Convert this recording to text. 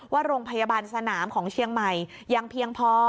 ว่าโรงพยาบาลสนามของเชียงใหม่ยังเพียงพอ